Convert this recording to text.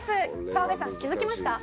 「澤部さん気づきました？